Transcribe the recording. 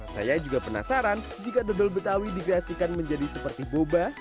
saya juga penasaran jika dodol betawi dikreasikan menjadi seperti boba